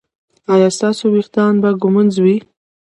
ایا ستاسو ویښتان به ږمنځ وي؟